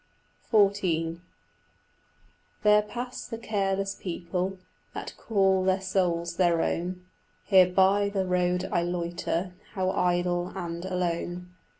XIV There pass the careless people That call their souls their own: Here by the road I loiter, How idle and alone.